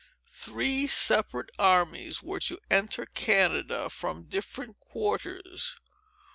Three separate armies were to enter Canada, from different quarters.